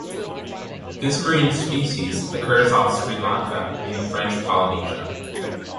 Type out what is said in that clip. This marine species occurs off Sri Lanka and French Polynesia.